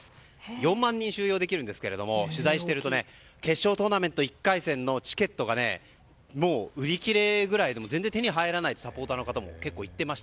４万人収容できるんですが取材していると決勝トーナメント１回戦のチケットが売り切れぐらいで全然手に入らないサポーターの方も結構そう言っていました。